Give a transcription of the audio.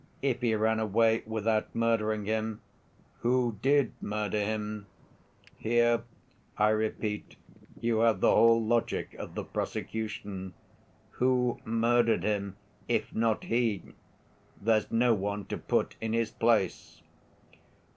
If he ran away without murdering him, who did murder him?' Here, I repeat, you have the whole logic of the prosecution. Who murdered him, if not he? There's no one to put in his place.